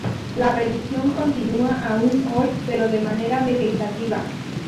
La reducción continúa aun hoy, pero de manera vegetativa.